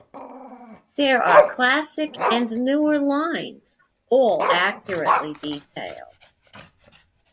There are classic and newer lines, all accurately detailed.